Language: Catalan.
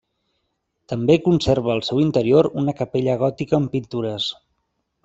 També conserva al seu interior una capella gòtica amb pintures.